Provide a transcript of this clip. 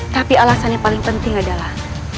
tapi alasan yang paling penting adalah